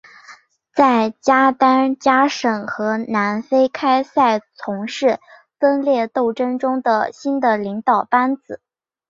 在加丹加省和南非开赛从事分裂斗争中的新的领导班子。